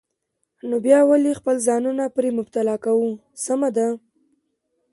نو بیا ولې خپل ځانونه پرې مبتلا کوو؟ سمه ده.